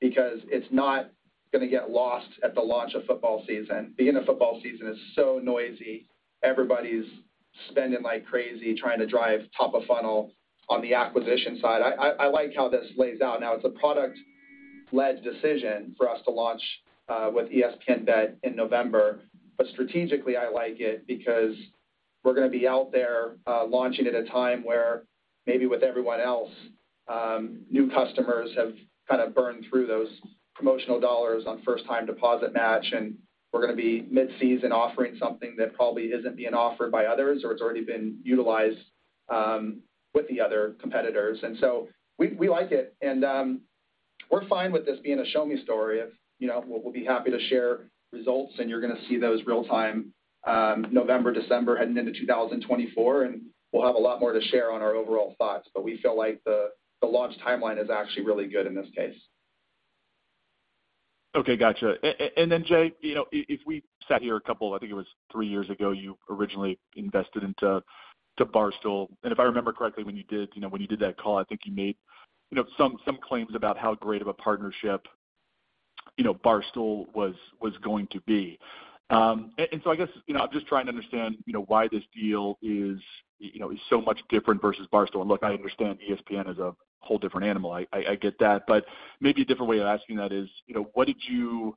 because it's not gonna get lost at the launch of football season. Beginning of football season is so noisy. Everybody's spending like crazy, trying to drive top of funnel on the acquisition side. I, I, I like how this lays out. Now, it's a product-led decision for us to launch with ESPN BET in November, but strategically, I like it because we're gonna be out there launching at a time where maybe with everyone else, new customers have kind of burned through those promotional dollars on first-time deposit match, and we're gonna be mid-season offering something that probably isn't being offered by others or it's already been utilized with the other competitors. So we, we like it, and we're fine with this being a show-me story. If, you know, we'll, we'll be happy to share results, and you're gonna see those real time, November, December, heading into 2024, and we'll have a lot more to share on our overall thoughts. We feel like the launch timeline is actually really good in this case. Okay, gotcha. Then, Jay, you know, if we sat here I think it was three years ago, you originally invested into Barstool. If I remember correctly, when you did, you know, when you did that call, I think you made, you know, some claims about how great of a partnership, you know, Barstool was going to be. So I guess, you know, I'm just trying to understand, you know, why this deal is, you know, is so much different versus Barstool. Look, I understand ESPN is a whole different animal. I get that. Maybe a different way of asking that is, you know, what did you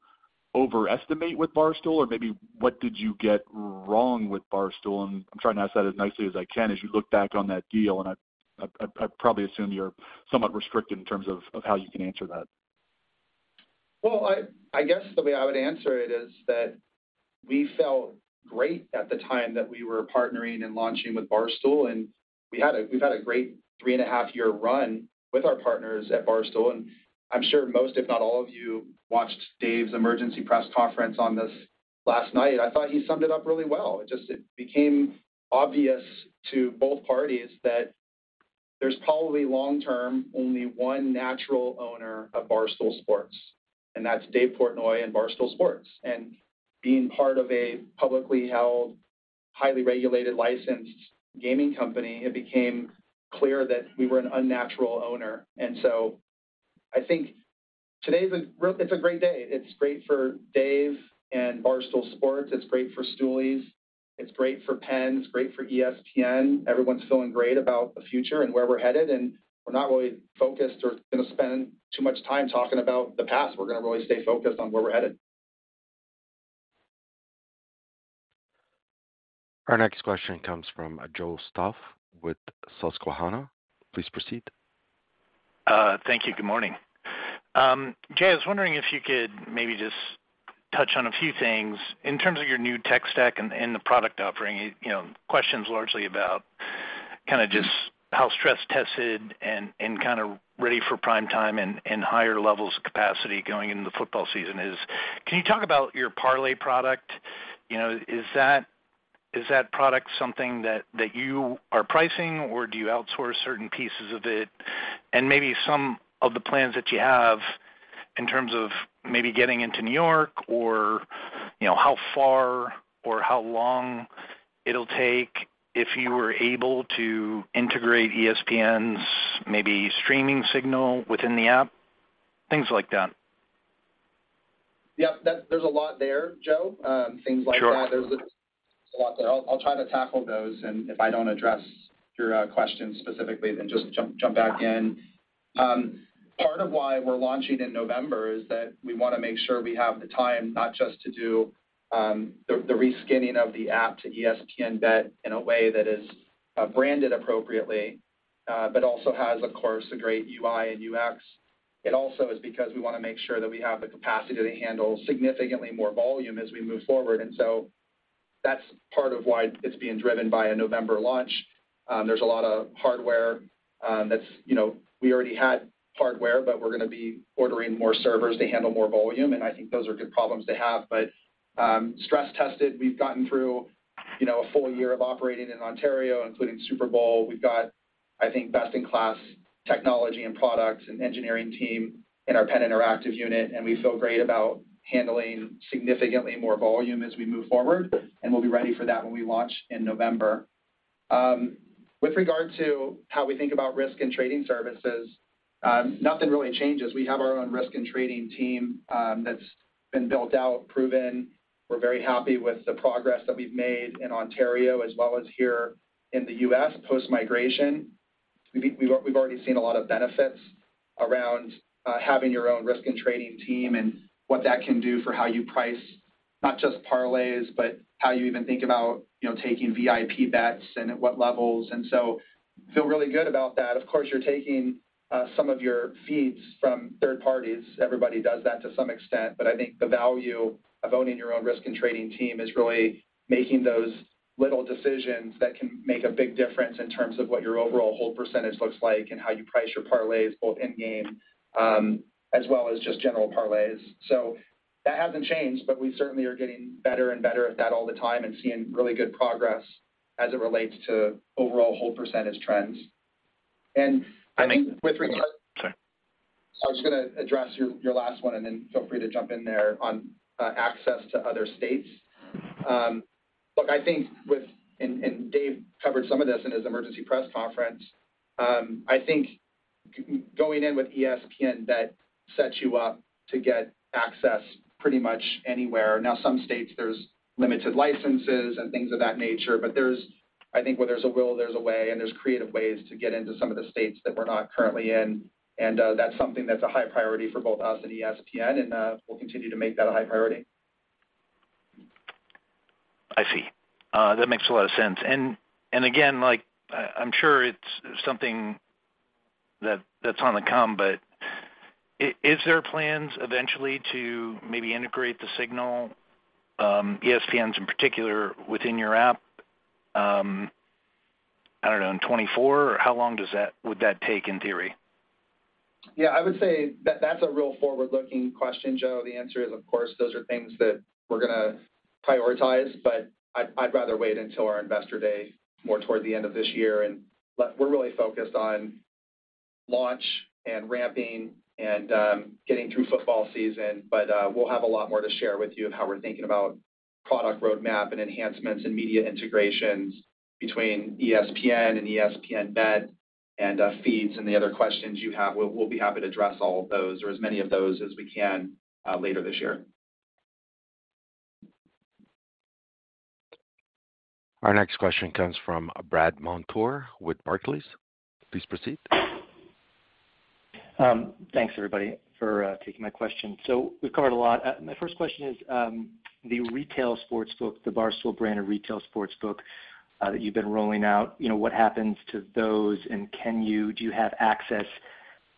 overestimate with Barstool? Or maybe what did you get wrong with Barstool? I'm trying to ask that as nicely as I can, as you look back on that deal, and I, I, I probably assume you're somewhat restricted in terms of, of how you can answer that. Well, I, I guess the way I would answer it is that we felt great at the time that we were partnering and launching with Barstool, and we've had a great three-and-a-half-year run with our partners at Barstool. I'm sure most, if not all of you, watched Dave's emergency press conference on this last night. I thought he summed it up really well. It just, it became obvious to both parties that there's probably long term, only one natural owner of Barstool Sports, and that's Dave Portnoy and Barstool Sports. Being part of a publicly held, highly regulated, licensed gaming company, it became clear that we were an unnatural owner. I think today is a real, it's a great day. It's great for Dave and Barstool Sports. It's great for Stoolies. It's great for PENN. It's great for ESPN. Everyone's feeling great about the future and where we're headed, and we're not really focused or gonna spend too much time talking about the past. We're gonna really stay focused on where we're headed. Our next question comes from Joe Stauff with Susquehanna. Please proceed. Thank you. Good morning. Jay, I was wondering if you could maybe just touch on a few things in terms of your new tech stack and the product offering, you know, questions largely about kind of just how stress-tested and ready for prime time and higher levels of capacity going into the football season is? Can you talk about your parlay product? You know, is that, is that product something that, that you are pricing, or do you outsource certain pieces of it? Maybe some of the plans that you have in terms of maybe getting into New York or, you know, how far or how long it'll take if you were able to integrate ESPN's maybe streaming signal within the app, things like that. Yep, there's a lot there, Joe. Sure. Things like that. There's a lot there. I'll, I'll try to tackle those, and if I don't address your question specifically, then just jump, jump back in. Part of why we're launching in November is that we wanna make sure we have the time not just to do the, the reskinning of the app to ESPN BET in a way that is branded appropriately, but also has, of course, a great UI and UX. It also is because we wanna make sure that we have the capacity to handle significantly more volume as we move forward, so that's part of why it's being driven by a November launch. There's a lot of hardware, that's, you know, we already had hardware, but we're gonna be ordering more servers to handle more volume, and I think those are good problems to have. Stress-tested, we've gotten through, you know, a full year of operating in Ontario, including Super Bowl. We've got, I think, best-in-class technology and products and engineering team in our PENN Interactive unit, and we feel great about handling significantly more volume as we move forward, and we'll be ready for that when we launch in November. With regard to how we think about risk and trading services, nothing really changes. We have our own risk and trading team that's been built out, proven. We're very happy with the progress that we've made in Ontario as well as here in the U.S. post-migration. We've, we've, we've already seen a lot of benefits around having your own risk and trading team and what that can do for how you price, not just parlays, but how you even think about, you know, taking VIP bets and at what levels. Feel really good about that. Of course, you're taking some of your feeds from third parties. Everybody does that to some extent. I think the value of owning your own risk and trading team is really making those little decisions that can make a big difference in terms of what your overall hold % looks like and how you price your parlays, both in-game, as well as just general parlays. That hasn't changed, but we certainly are getting better and better at that all the time and seeing really good progress as it relates to overall hold % trends. I think with regard- Sorry. I was just gonna address your, your last one, and then feel free to jump in there on access to other states. Look, I think with... Dave covered some of this in his emergency press conference. I think going in with ESPN BET sets you up to get access pretty much anywhere. Now, some states, there's limited licenses and things of that nature, but there's, I think where there's a will, there's a way, and there's creative ways to get into some of the states that we're not currently in. That's something that's a high priority for both us and ESPN, and we'll continue to make that a high priority. I see. That makes a lot of sense. Again, like, I'm sure it's something that, that's on the come, but is there plans eventually to maybe integrate the signal, ESPN's in particular, within your app, I don't know, in 2024? Or how long would that take in theory? Yeah, I would say that that's a real forward-looking question, Joe. The answer is, of course, those are things that we're gonna prioritize, but I'd, I'd rather wait until our Investor Day, more toward the end of this year. We're really focused on launch and ramping and getting through football season. We'll have a lot more to share with you of how we're thinking about product roadmap and enhancements and media integrations between ESPN and ESPN BET and feeds and the other questions you have. We'll, we'll be happy to address all of those or as many of those as we can later this year. Our next question comes from Brandt Montour with Barclays. Please proceed. Thanks, everybody, for taking my question. We've covered a lot. My first question is, the retail sportsbook, the Barstool brand of retail sportsbook, that you've been rolling out, you know, what happens to those, and do you have access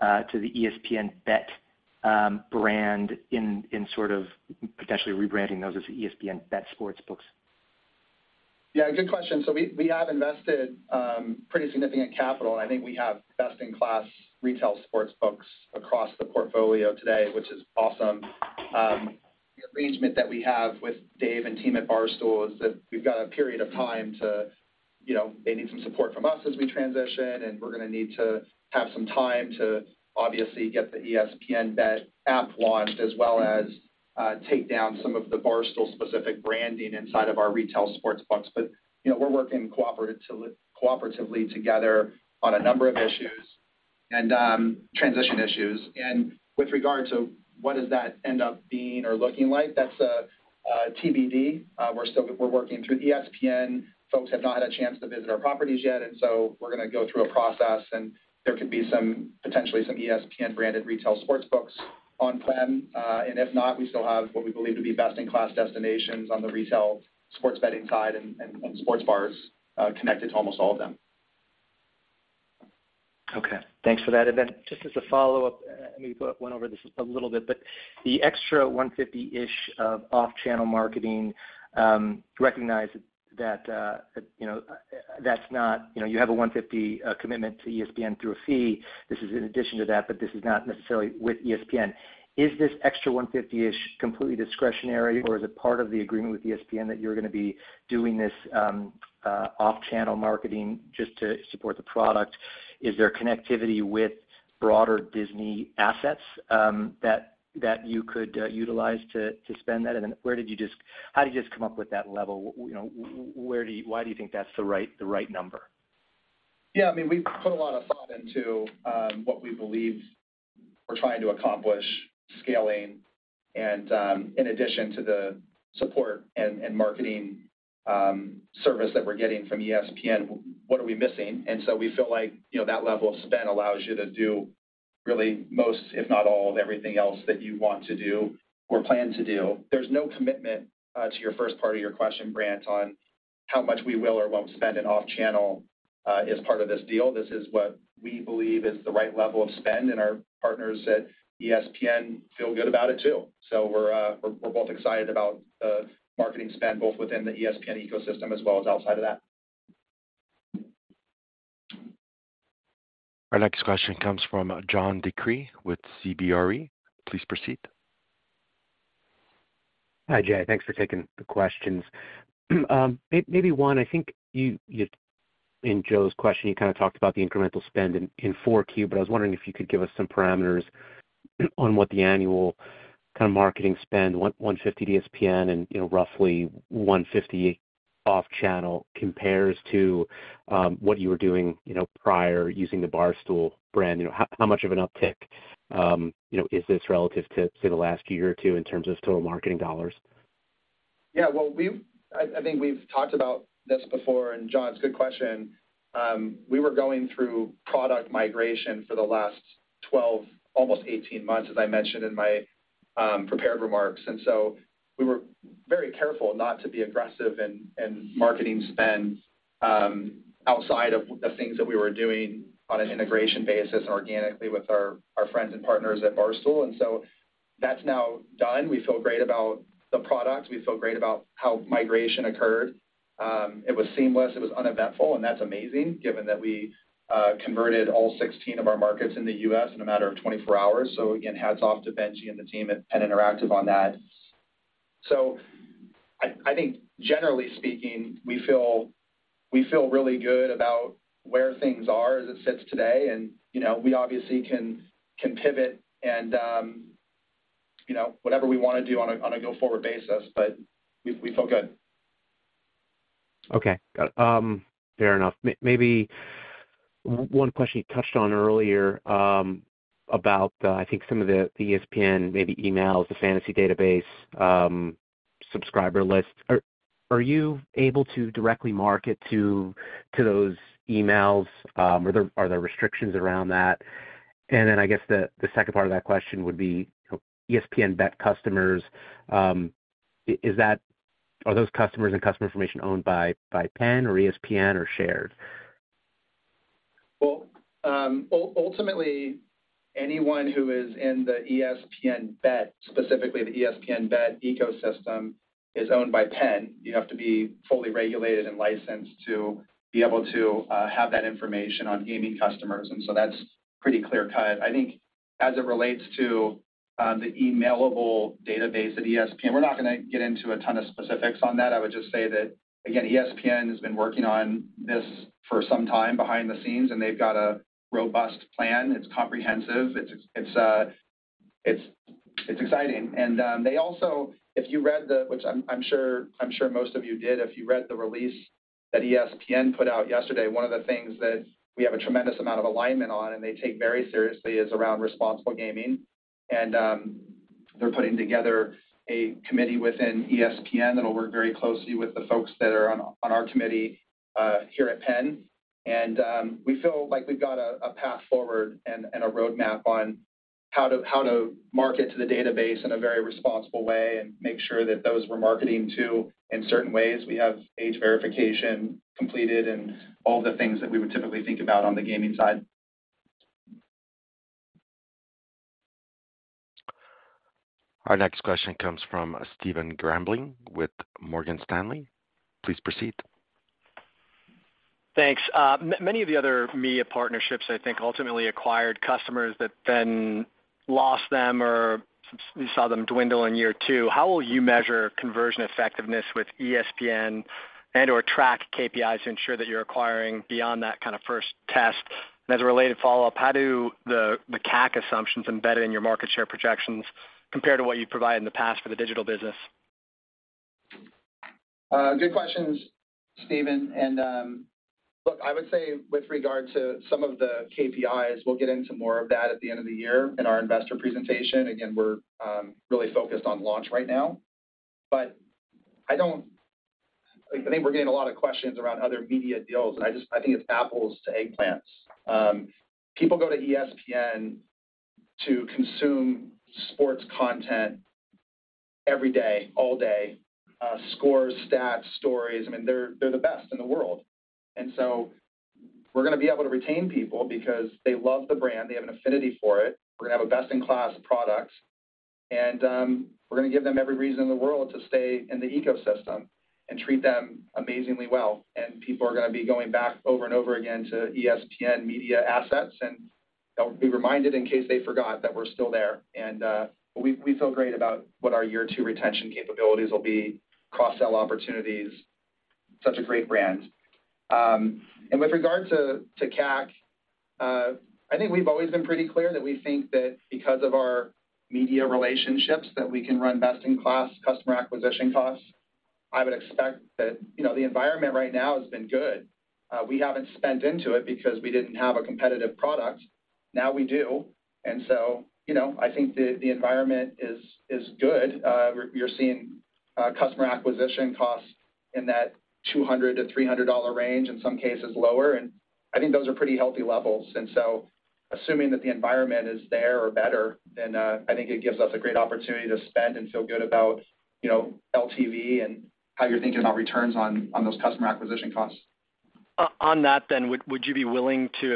to the ESPN BET brand in, in sort of potentially rebranding those as ESPN BET sportsbooks? Yeah, good question. We, we have invested pretty significant capital, and I think we have best-in-class retail sportsbooks across the portfolio today, which is awesome. The arrangement that we have with Dave and team at Barstool is that we've got a period of time. You know, they need some support from us as we transition, and we're gonna need to have some time to obviously get the ESPN BET app launched, as well as take down some of the Barstool specific branding inside of our retail sportsbooks. You know, we're working cooperatively, cooperatively together on a number of issues and transition issues. With regard to what does that end up being or looking like, that's TBD. We're working through ESPN. Folks have not had a chance to visit our properties yet. We're gonna go through a process. There could be some, potentially some ESPN-branded retail sportsbooks on prem. If not, we still have what we believe to be best-in-class destinations on the retail sports betting side and sports bars, connected to almost all of them. Okay, thanks for that. Just as a follow-up, I know you went over this a little bit, but the extra $150 million-ish of off-channel marketing, recognize that, you know, that's not... You know, you have a $150 million commitment to ESPN through a fee. This is in addition to that, but this is not necessarily with ESPN. Is this extra $150 million-ish completely discretionary, or is it part of the agreement with ESPN that you're gonna be doing this off-channel marketing just to support the product? Is there connectivity with broader Disney assets, that, that could utilize to, to spend that? Where did you just-- how did you just come up with that level? You know, where do you-- why do you think that's the right, the right number? Yeah, I mean, we've put a lot of thought into what we believe we're trying to accomplish, scaling, and in addition to the support and marketing service that we're getting from ESPN, what are we missing? We feel like, you know, that level of spend allows you to do really most, if not all, of everything else that you want to do or plan to do. There's no commitment to your first part of your question, Brandt, on how much we will or won't spend in off-channel as part of this deal. This is what we believe is the right level of spend, and our partners at ESPN feel good about it, too. We're, we're, we're both excited about the marketing spend, both within the ESPN ecosystem as well as outside of that. Our next question comes from John DeCree with CBRE. Please proceed. Hi, Jay. Thanks for taking the questions. Maybe one, I think you in Joe's question, you kind of talked about the incremental spend in four Q, but I was wondering if you could give us some parameters on what the annual kind of marketing spend, $150 million ESPN and, you know, roughly $150 million off-channel, compares to, what you were doing, you know, prior using the Barstool brand. You know, how, how much of an uptick, you know, is this relative to, say, the last year or two in terms of total marketing dollars? Yeah, well, we've talked about this before, John, it's a good question. We were going through product migration for the last 12, almost 18 months, as I mentioned in my prepared remarks. So we were very careful not to be aggressive in marketing spend outside of things that we were doing on an integration basis organically with our friends and partners at Barstool. So that's now done. We feel great about the products. We feel great about how migration occurred. It was seamless, it was uneventful, and that's amazing, given that we converted all 16 of our markets in the U.S. in a matter of 24 hours. So again, hats off to Benji and the team at PENN Interactive on that. I, I think generally speaking, we feel, we feel really good about where things are as it sits today. You know, we obviously can, can pivot and, you know, whatever we want to do on a, on a go-forward basis, but we, we feel good. Okay. Got it. Fair enough. Maybe one question you touched on earlier, about, I think some of the ESPN, maybe emails, the fantasy database, subscriber lists. Are you able to directly market to those emails, or are there restrictions around that? Then I guess the second part of that question would be, ESPN BET customers, is that are those customers and customer information owned by PENN or ESPN or shared? Well, ultimately, anyone who is in the ESPN BET, specifically the ESPN BET ecosystem, is owned by PENN. You have to be fully regulated and licensed to be able to have that information on gaming customers, and so that's pretty clear-cut. I think as it relates to the emailable database at ESPN, we're not gonna get into a ton of specifics on that. I would just say that, again, ESPN has been working on this for some time behind the scenes, and they've got a robust plan. It's comprehensive, it's exciting. They also, if you read the... Which I'm, I'm sure, I'm sure most of you did. If you read the release that ESPN put out yesterday, one of the things that we have a tremendous amount of alignment on, and they take very seriously, is around responsible gaming. They're putting together a committee within ESPN that will work very closely with the folks that are on our committee here at PENN. We feel like we've got a path forward and a roadmap on how to market to the database in a very responsible way and make sure that those we're marketing to in certain ways, we have age verification completed and all the things that we would typically think about on the gaming side. Our next question comes from Stephen Grambling with Morgan Stanley. Please proceed. Thanks. many of the other media partnerships, I think, ultimately acquired customers that then lost them, or you saw them dwindle in year 2. How will you measure conversion effectiveness with ESPN and/or track KPIs to ensure that you're acquiring beyond that kind of first test? As a related follow-up, how do the CAC assumptions embedded in your market share projections compare to what you've provided in the past for the digital business? Good questions, Stephen. Look, I would say with regard to some of the KPIs, we'll get into more of that at the end of the year in our investor presentation. Again, we're really focused on launch right now. I think we're getting a lot of questions around other media deals. I think it's apples to eggplants. People go to ESPN to consume sports content every day, all day, scores, stats, stories. I mean, they're the best in the world. We're gonna be able to retain people because they love the brand. They have an affinity for it. We're gonna have a best-in-class product, and we're gonna give them every reason in the world to stay in the ecosystem and treat them amazingly well. People are going to be going back over and over again to ESPN media assets, and they'll be reminded, in case they forgot, that we're still there. We, we feel great about what our year 2 retention capabilities will be, cross-sell opportunities, such a great brand. With regard to, to CAC, I think we've always been pretty clear that we think that because of our media relationships, that we can run best-in-class customer acquisition costs. I would expect that, you know, the environment right now has been good. We haven't spent into it because we didn't have a competitive product. Now we do, you know, I think the, the environment is, is good. We're, we're seeing customer acquisition costs in that $200-$300 range, in some cases lower, and I think those are pretty healthy levels. Assuming that the environment is there or better, I think it gives us a great opportunity to spend and feel good about, you know, LTV and how you're thinking about returns on, on those customer acquisition costs. On that, would you be willing to,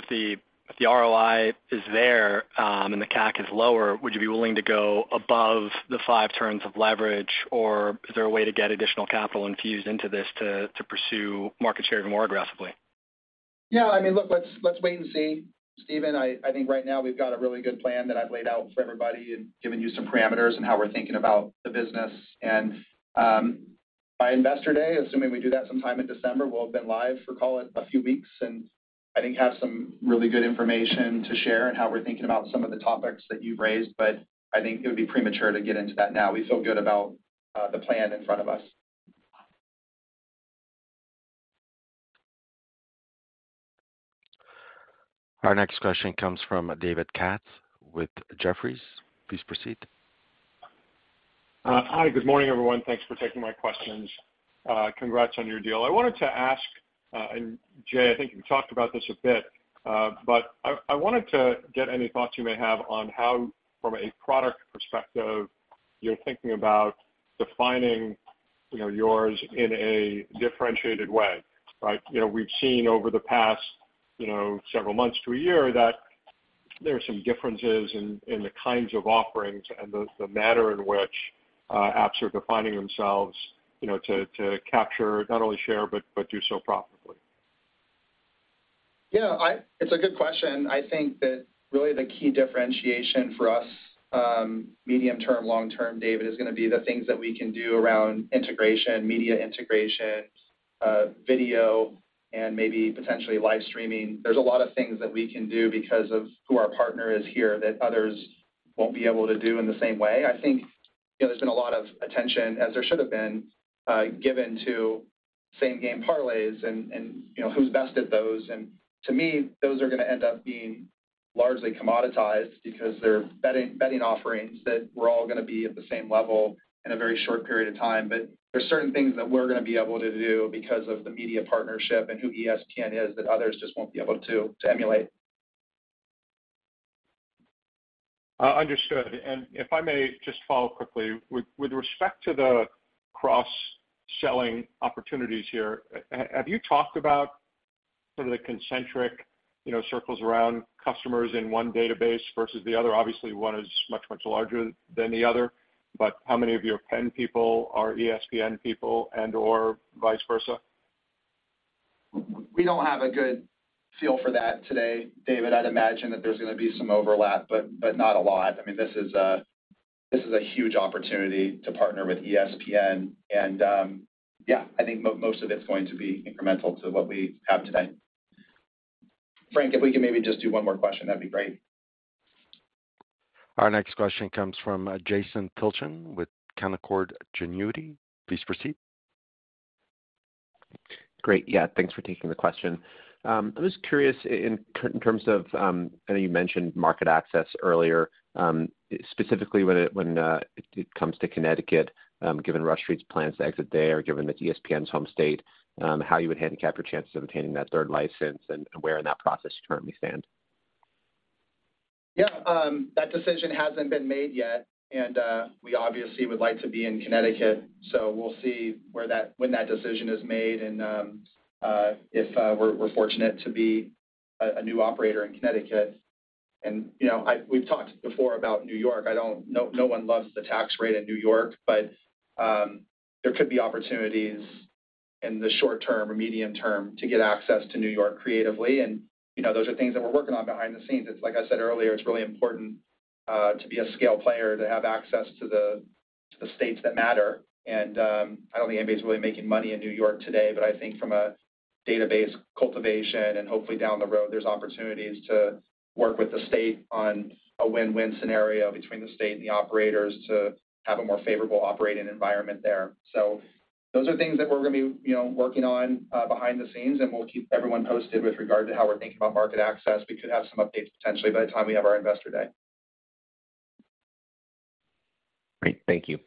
if the ROI is there, and the CAC is lower, would you be willing to go above the 5 turns of leverage, or is there a way to get additional capital infused into this to pursue market share more aggressively? Yeah, I mean, look, let's, let's wait and see, Stephen. I, I think right now we've got a really good plan that I've laid out for everybody and given you some parameters on how we're thinking about the business. By Investor Day, assuming we do that sometime in December, we'll have been live for, call it, a few weeks, and I think have some really good information to share on how we're thinking about some of the topics that you've raised. I think it would be premature to get into that now. We feel good about the plan in front of us. Our next question comes from David Katz with Jefferies. Please proceed. Hi, good morning, everyone. Thanks for taking my questions. Congrats on your deal. I wanted to ask, and Jay, I think you talked about this a bit, but I, I wanted to get any thoughts you may have on how, from a product perspective, you're thinking about defining, you know, yours in a differentiated way, right? You know, we've seen over the past, you know, several months to a year, that there are some differences in, in the kinds of offerings and the, the manner in which apps are defining themselves, you know, to, to capture not only share but, but do so profitably. Yeah, it's a good question. I think that really the key differentiation for us, medium term, long term, David, is gonna be the things that we can do around integration, media integration, video, and maybe potentially live streaming. There's a lot of things that we can do because of who our partner is here, that others won't be able to do in the same way. I think, you know, there's been a lot of attention, as there should have been, given to same-game parlays and, and, you know, who's best at those. To me, those are gonna end up being largely commoditized because they're betting, betting offerings that we're all gonna be at the same level in a very short period of time. There are certain things that we're gonna be able to do because of the media partnership and who ESPN is, that others just won't be able to, to emulate. Understood. And if I may just follow quickly. With respect to the cross-selling opportunities here, have you talked about some of the concentric, you know, circles around customers in one database versus the other? Obviously, one is much, much larger than the other, but how many of your PENN people are ESPN people and/or vice versa? We don't have a good feel for that today, David. I'd imagine that there's gonna be some overlap, but, but not a lot. I mean, this is a, this is a huge opportunity to partner with ESPN and, yeah, I think most of it's going to be incremental to what we have today. Frank, if we could maybe just do one more question, that'd be great. Our next question comes from Jason Tilchen with Canaccord Genuity. Please proceed. Great. Yeah, thanks for taking the question. I'm just curious in terms of, I know you mentioned market access earlier, specifically when it comes to Connecticut, given Rush Street's plans to exit there, given that ESPN's home state, how you would handicap your chances of obtaining that third license and where in that process you currently stand? Yeah, that decision hasn't been made yet, and we obviously would like to be in Connecticut, so we'll see when that decision is made and if we're fortunate to be a new operator in Connecticut. You know, we've talked before about New York. No one loves the tax rate in New York, but there could be opportunities in the short term or medium term to get access to New York creatively. You know, those are things that we're working on behind the scenes. It's like I said earlier, it's really important to be a scale player, to have access to the states that matter. I don't think anybody's really making money in New York today, but I think from a database cultivation and hopefully down the road, there's opportunities to work with the state on a win-win scenario between the state and the operators to have a more favorable operating environment there. Those are things that we're gonna be, you know, working on behind the scenes, and we'll keep everyone posted with regard to how we're thinking about market access. We could have some updates potentially by the time we have our Investor Day. Great. Thank you.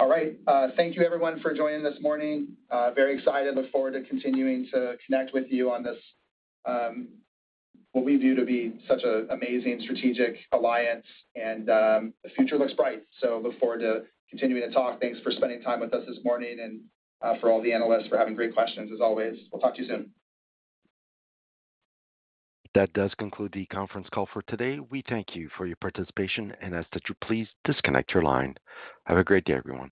All right, thank you, everyone, for joining this morning. Very excited, look forward to continuing to connect with you on this, what we view to be such an amazing strategic alliance, and the future looks bright. Look forward to continuing to talk. Thanks for spending time with us this morning and for all the analysts for having great questions, as always. We'll talk to you soon. That does conclude the conference call for today. We thank you for your participation and ask that you please disconnect your line. Have a great day, everyone.